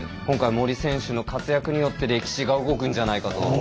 今回森選手の活躍によって歴史が動くんじゃないかと。